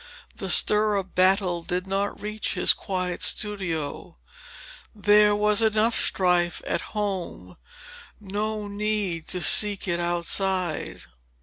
The stir of battle did not reach his quiet studio. There was enough strife at home; no need to seek it outside.